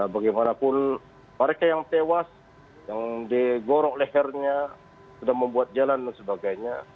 bagaimanapun mereka yang tewas yang digorok lehernya sudah membuat jalan dan sebagainya